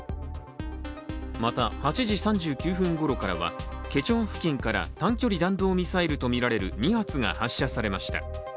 また、８時３９分ごろからは、ケチョン付近から短距離弾道ミサイルとみられる２発が発射されました。